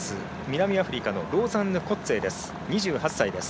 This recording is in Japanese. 南アフリカのローザンヌ・コッツェーです。